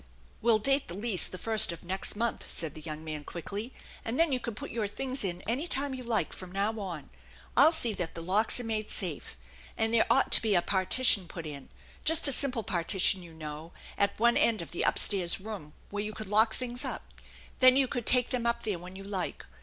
"We'll date the lease the first of next month," said the young man quickly ;" and then you can put your things in any time you like from now on. I'll see that the locks are made safe, and there ought to be a partition put in just a simple partition, you know at one end of the up stairs room, where you could lock up things. Then you could take them up there when you like.